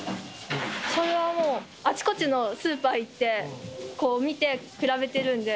それはもう、あちこちのスーパー行って、こう見て、比べてるんで。